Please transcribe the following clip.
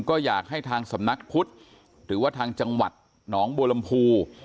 ก็อยากให้ทางสำนักพุทธหรือว่าทางจังหวัดหนองบัวลำพู